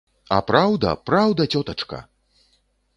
А праўда, праўда, цётачка!